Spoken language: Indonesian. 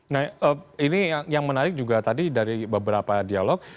nah ini yang menarik juga tadi dari beberapa dialog